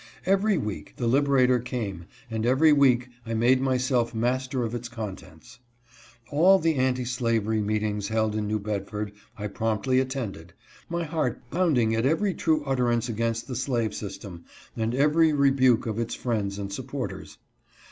Every week the Liberator came, and every week I made myself master of its contents. All the anti slavery meet ings held in New Bedford I promptly attended, my heart bounding at every true utterance against the slave sys tem and every rebuke of its friends and supporters.